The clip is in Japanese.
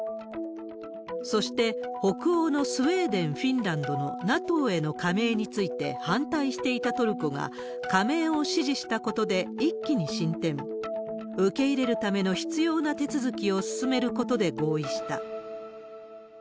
そして、北欧のスウェーデン、フィンランドのＮＡＴＯへの加盟について、反対していたトルコが、加盟を支持したことで一気に進展。受け入れるための必要な手続きを進めることで合意した。